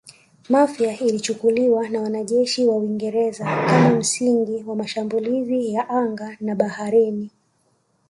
Mafia ilichukuliwa na wanajeshi wa Uingereza kama msingi wa mashambulizi ya angani na baharini